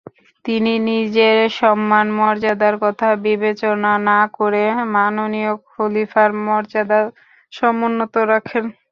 তিনি নিজের সম্মান-মর্যাদার কথা বিবেচনা না করে মাননীয় খলিফার মর্যাদা সমুন্নত রাখেন।